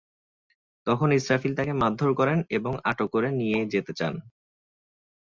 তখন ইসরাফিল তাঁকে মারধর করেন এবং আটক করে নিয়ে যেতে চান।